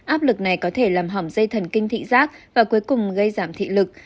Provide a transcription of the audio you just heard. áp lực này có thể làm hỏng dây thần kinh thị giác và cuối cùng gây giảm thị lực